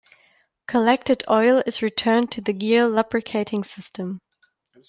Collected oil is returned to the gear lubricating system.